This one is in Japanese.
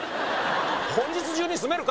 本日中に住めるか！